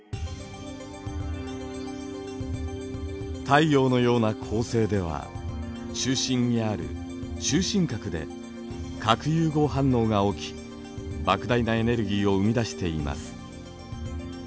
太陽のような恒星では中心にある中心核で核融合反応が起きばく大なエネルギーを生み出しています。